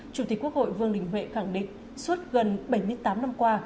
chủ tịch quốc hội vương đình huệ khẳng định suốt gần bảy mươi tám năm qua